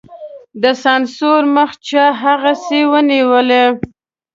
د سانسور مخه چا هغسې نېولې.